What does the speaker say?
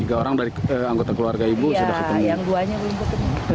tiga orang dari anggota keluarga ibu sudah ketemu